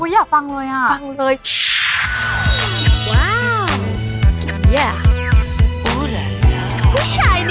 อยากฟังเลย